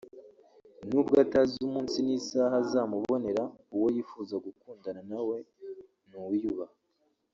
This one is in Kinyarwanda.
nubwo atazi umunsi n’isaha azamubonera uwo yifuza gukundana na we ni uwiyubaha